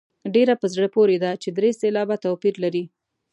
ډېره په زړه پورې ده چې درې سېلابه توپیر لري.